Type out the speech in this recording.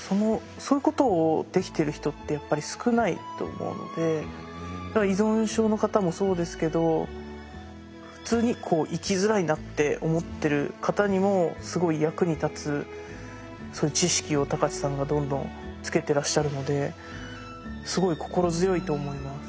そういうことをできてる人ってやっぱり少ないと思うので依存症の方もそうですけど普通にこう生きづらいんだって思ってる方にもすごい役に立つそういう知識を高知さんがどんどんつけてらっしゃるのですごい心強いと思います。